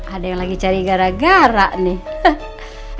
ada yang lagi cari gara gara nih